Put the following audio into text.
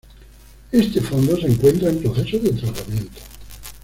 Este fondo se encuentra en proceso de tratamiento.